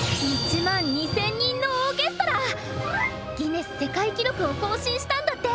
ギネス世界記録を更新したんだって！